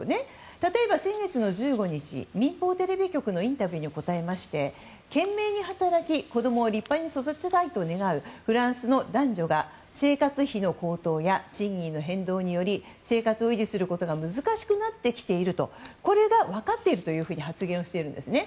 例えば先月１５日民放テレビ局のインタビューに答えまして懸命に働き子供を立派に育てたいと願うフランスの男女が生活費の高騰や賃金の変動により生活を維持することが難しくなってきていると分かっていると発言しているんです。